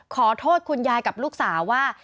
ขอโทษคุณยายกับลูกสาวว่า